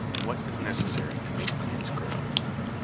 WHAT IS NECESSARY TO MAKE PLANTS GROW.